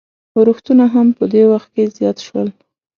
اورښتونه هم په دې وخت کې زیات شول.